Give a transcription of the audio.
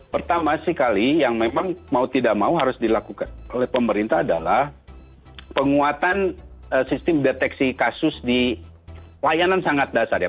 pertama sekali yang memang mau tidak mau harus dilakukan oleh pemerintah adalah penguatan sistem deteksi kasus di layanan sangat dasar ya